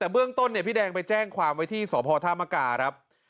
เมื่องต้นพี่แดงไปแจ้งความให้ขอบคุณ